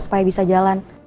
supaya bisa jalan